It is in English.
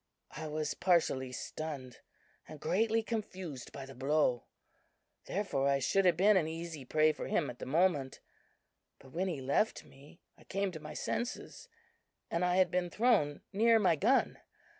"I was partially stunned and greatly confused by the blow; therefore I should have been an easy prey for him at the moment. But when he left me, I came to my senses; and I had been thrown near my gun!